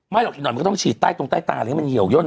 ไม่หรอกมันก็ต้องฉีดต้นใต้ลังตาเรียงมันเหี่ยวจน